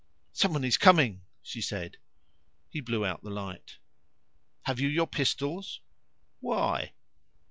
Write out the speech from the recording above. "Someone is coming!" she said. He blew out the light. "Have you your pistols?" "Why?"